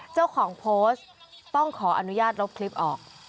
เจ้าของโพสต์ต้องขออนุญาตลบคลิปออก